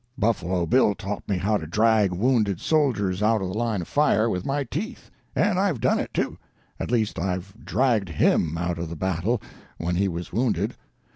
Buffalo Bill taught me how to drag wounded soldiers out of the line of fire with my teeth; and I've done it, too; at least I've dragged him out of the battle when he was wounded.